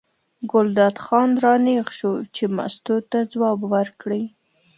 ګلداد خان را نېغ شو چې مستو ته ځواب ورکړي.